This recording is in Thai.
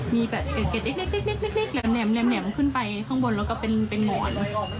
มีแบบเกร็ดเล็กแหลมขึ้นไปข้างบนแล้วก็เป็นหมอน